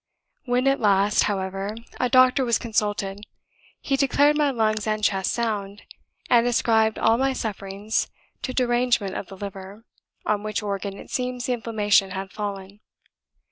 When, at last, however, a doctor was consulted, he declared my lungs and chest sound, and ascribed all my sufferings to derangement of the liver, on which organ it seems the inflammation had fallen.